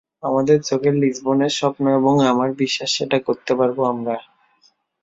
আমাদের চোখে লিসবনের স্বপ্ন এবং আমার বিশ্বাস সেটা করতে পারব আমরা।